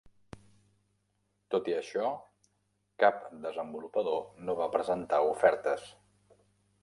Tot i això, cap desenvolupador no va presentar ofertes.